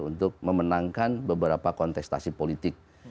untuk memenangkan beberapa kontestasi politik